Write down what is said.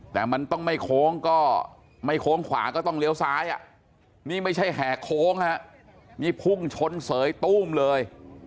แต่มันต้องไม่โค้งก็ไม่โค้งขวาก็ต้องเลี้ยวซ้ายนี่ไม่ใช่แหกโค้งฮะนี่พุ่งชนเสยตู้มเลย